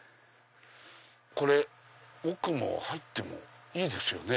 これ奥入ってもいいですよね。